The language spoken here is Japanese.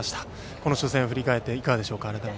この初戦を振り返っていかがでしょうか。